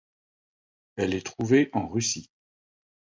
Elle est trouvée en Russie.